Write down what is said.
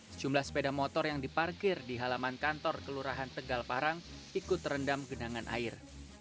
sejumlah sepeda motor yang diparkir di halaman kantor kelurahan tegal parang ikut terendam genangan air